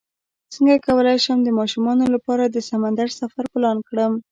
څنګه کولی شم د ماشومانو لپاره د سمندر سفر پلان کړم